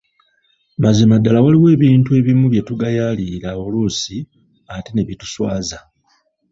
Mazima ddala waliwo ebintu ebimu bye tugayaalirira oluusi ate ne bituswaza.